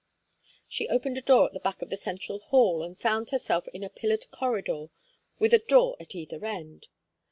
She opened a door at the back of the central hall and found herself in a pillared corridor with a door at either end.